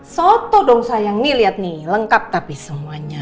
soto dong sayang nih lihat nih lengkap tapi semuanya